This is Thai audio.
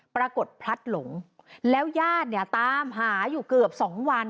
ปรากฏพลัดหลงแล้วยาดตามหาอยู่เกือบ๒วัน